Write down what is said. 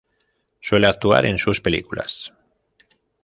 Suele actuar en sus películas.